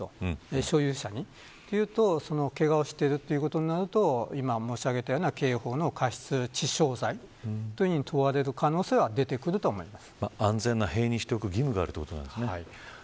所有者に、というとけがをしているということになると、今申し上げたような刑法の過失致傷罪に問われる可能性は出てくると思います。